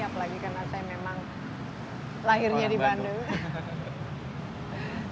apalagi karena saya memang lahirnya di bandung